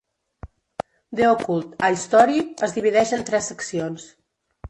"The Occult: A History" es divideix en tres seccions.